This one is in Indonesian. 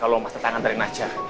adot buber etik yang terbasar